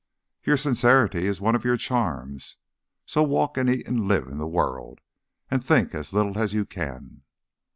"Your sincerity is one of your charms. So walk and eat and live in the world, and think as little as you can."